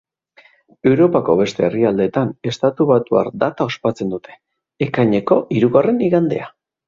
Europako beste herrialdetan estatubatuar data ospatzen dute: ekaineko hirugarren igandea.